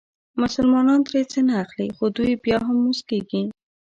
مسلمانان ترې څه نه اخلي خو دوی بیا هم موسکېږي.